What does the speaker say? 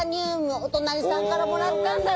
お隣さんからもらったんだよ。